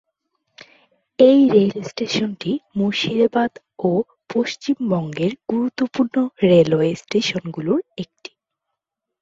এই রেল স্টেশনটি মুর্শিদাবাদ ও পশ্চিমবঙ্গের গুরুত্বপূর্ণ রেলওয়ে স্টেশনগুলির একটি।